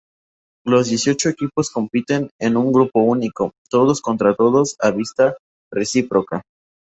Los dieciocho equipos compiten en un grupo único, todos contra todos a visita recíproca.